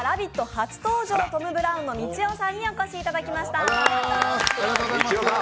初登場、トム・ブラウンのみちおさんにお越しいただきました。